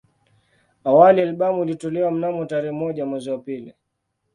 Awali albamu ilitolewa mnamo tarehe moja mwezi wa pili